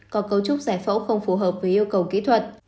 có cấu trúc giải phẫu không phù hợp với yêu cầu kỹ thuật